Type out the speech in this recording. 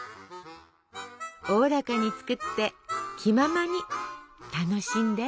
おおらかに作って気ままに楽しんで。